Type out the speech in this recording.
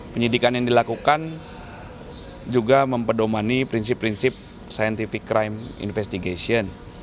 penyidikan yang dilakukan juga mempedomani prinsip prinsip scientific crime investigation